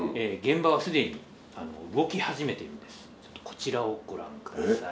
こちらをご覧ください。